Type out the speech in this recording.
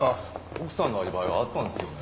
奥さんのアリバイはあったんですよね？